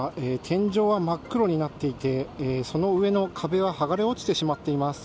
天井は真っ黒になっていてその上の壁は剥がれ落ちてしまっています。